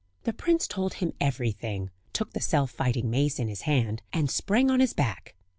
The prince told him everything; took the self fighting mace in his hand, and sprang on his back.